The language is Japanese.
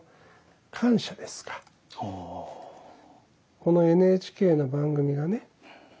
このＮＨＫの番組がね